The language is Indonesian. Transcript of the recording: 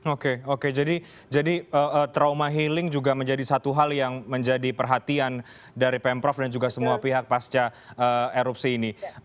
oke oke jadi trauma healing juga menjadi satu hal yang menjadi perhatian dari pemprov dan juga semua pihak pasca erupsi ini